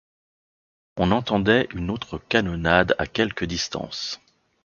On entendait une autre canonnade à quelque distance.